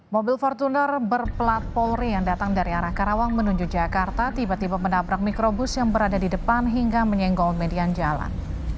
mobil fortuner berplat polri yang datang dari arah karawang menuju jakarta tiba tiba menabrak mikrobus yang berada di depan hingga menyenggol median jalan